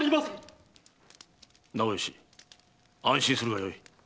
直致安心するがよい。